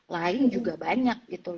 lain juga banyak gitu